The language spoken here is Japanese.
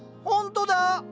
ほんとだ。